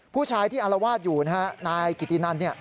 ผู้ชายที่อลวาดอยู่นายกิตินัน